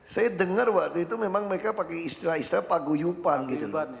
saya dengar waktu itu memang mereka pakai istilah istilah paguyupan gitu loh